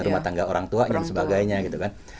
rumah tangga orang tua dan sebagainya gitu kan